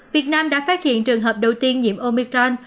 việt nam đã phát hiện trường hợp đầu tiên nhiễm omicron